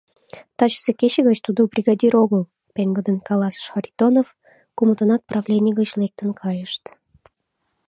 — Тачысе кече гыч тудо бригадир огыл, — пеҥгыдын каласыш Харитонов, кумытынат правлений гыч лектын кайышт.